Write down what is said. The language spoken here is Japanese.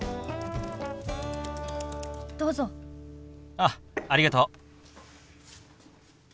あっありがとう。